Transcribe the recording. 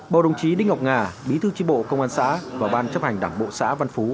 bầu đồng chí đinh ngọc nga bí thư tri bộ công an xã và ban chấp hành đảng bộ xã văn phú